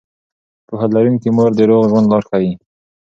پوهه لرونکې مور د روغ ژوند لاره ښيي.